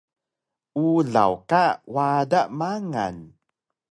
Ulaw ka wada mangal